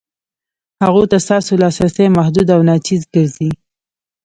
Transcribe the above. هغو ته ستاسو لاسرسی محدود او ناچیز ګرځي.